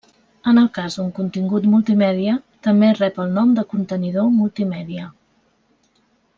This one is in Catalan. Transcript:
En el cas d'un contingut multimèdia, també rep el nom de contenidor multimèdia.